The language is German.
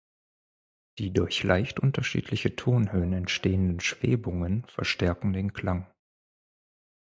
Die durch leicht unterschiedliche Tonhöhen entstehenden Schwebungen verstärken den Klang.